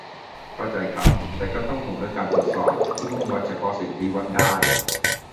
เข้าใจครับ. แต่ก็ห่วงเรื่องการตรวจสอบที่มุ่งวัดเฉพาะสิ่งที่วัดได้.